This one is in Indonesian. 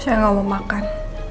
saya enggak mau makan